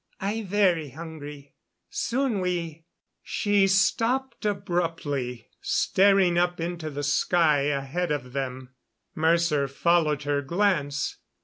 "I very hungry. Soon we " She stopped abruptly, staring up into the sky ahead of them. Mercer followed her glance.